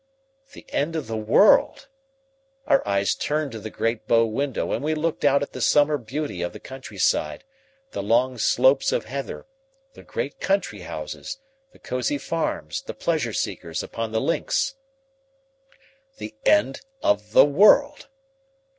The end of the world! Our eyes turned to the great bow window and we looked out at the summer beauty of the country side, the long slopes of heather, the great country houses, the cozy farms, the pleasure seekers upon the links. The end of the world!